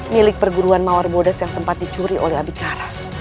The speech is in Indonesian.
milik perguruan mawar bodes yang sempat dicuri oleh abikara